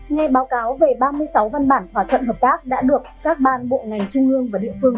nghe báo cáo về ba mươi sáu văn bản hòa thuận hợp tác đã được các ban bộ ngành trung ương và địa phương